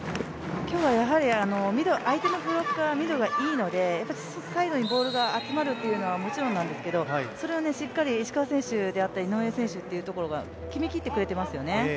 今日は相手のブロッカー、ミドルがいいのでサイドにボールが集まるのはもちろんなんですけどそれをしっかり石川選手だったり、井上選手というところが決めきってくれてますよね。